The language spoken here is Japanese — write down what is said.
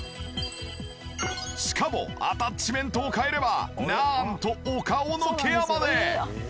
しかもアタッチメントを換えればなんとお顔のケアまで！